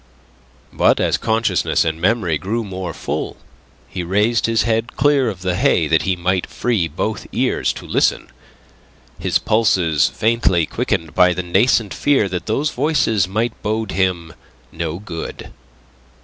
But as consciousness and memory grew more full, he raised his head clear of the hay that he might free both ears to listen, his pulses faintly quickened by the nascent fear that those voices might bode him no good.